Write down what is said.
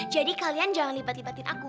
jadi kalian jangan libat libatin aku